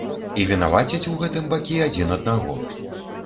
І вінавацяць у гэтым бакі адзін аднаго.